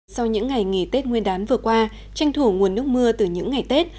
sau những ngày nghỉ tết nguyên đán vừa qua tranh thủ nguồn nước mưa từ những ngày tết